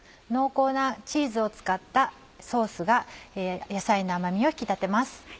濃厚なチーズを使ったソースが野菜の甘みを引き立てます。